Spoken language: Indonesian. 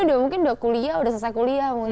udah mungkin udah kuliah udah selesai kuliah